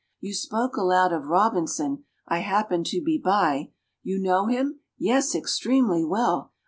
You spoke aloud of ROBINSON I happened to be by. You know him?" "Yes, extremely well."